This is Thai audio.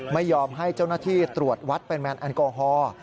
ไม่ยอมให้เจ้าหน้าที่ตรวจวัดปริมาณแอลกอฮอล์